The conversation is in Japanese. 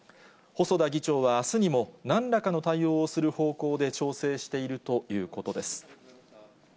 細田議長はあすにも、なんらかの対応をする方向で調整しているということです。